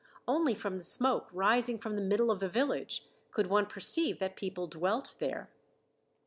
Only from the smoke rising from the middle of the village could one perceive that people dwelt there.